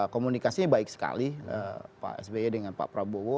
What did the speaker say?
komunikasi baik sekali pak sbe dengan pak prabowo